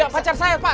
pacar saya pak